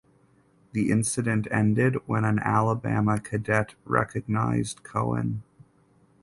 The incident ended when an Alabama cadet recognized Cohen.